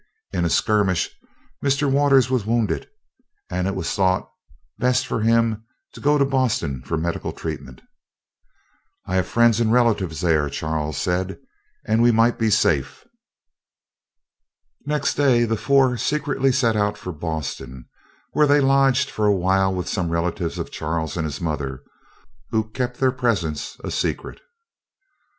In a skirmish, Mr. Waters was wounded, and it was thought best for him to go to Boston for medical treatment. "I have friends and relatives there," Charles said, "and we might be safe." Next day the four secretly set out for Boston, where they lodged for awhile with some relatives of Charles and his mother, who kept their presence a secret.